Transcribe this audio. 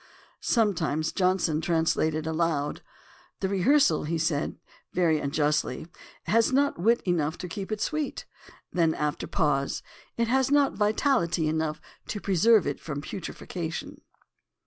Sometimes Johnson translated aloud. "The Rehearsal," he said, very unjustly, "has not wit enough to keep it sweet"; then, after a pause, "it has not vitality enough to preserve it from putrefaction."